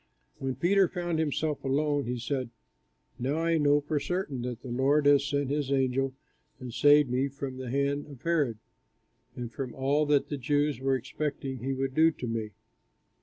When Peter found himself alone, he said, "Now I know for certain that the Lord has sent his angel, and saved me from the hand of Herod and from all that the Jews were expecting he would do to me."